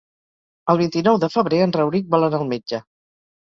El vint-i-nou de febrer en Rauric vol anar al metge.